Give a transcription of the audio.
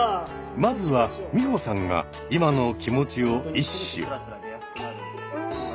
まずは美穂さんが今の気持ちを一首。